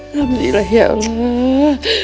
alhamdulillah ya allah